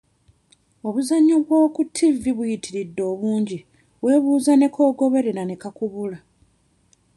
Obuzannyo bw'oku ttivi buyitiridde obungi weebuuza ne k'ogoberera ne kakubula.